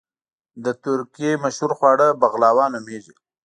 د ترکی مشهور خواږه بغلاوه نوميږي